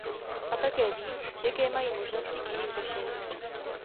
A také ví, jaké mají možnosti k jejich řešení.